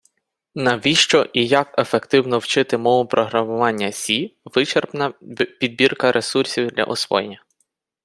Навіщо і як ефективно вчити мову програмування Сі: вичерпна підбірка ресурсів для освоєння